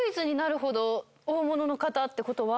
の方ってことは。